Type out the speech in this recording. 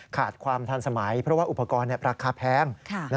ขาดความทันสมัยเพราะว่าอุปกรณ์ราคาแพง